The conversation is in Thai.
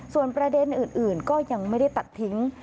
ส่วนประเด็นอื่นก็ยังไม่ได้ตัดทิ้ง